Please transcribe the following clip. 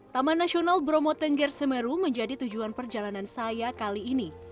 taman nasional bromo tengger semeru menjadi tujuan perjalanan saya kali ini